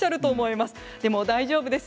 でも大丈夫です。